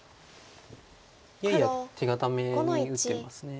やや手堅めに打ってます